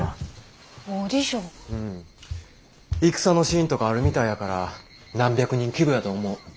戦のシーンとかあるみたいやから何百人規模やと思う。